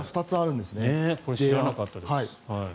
知らなかったです。